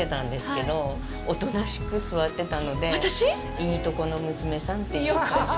いいところの娘さんという感じ。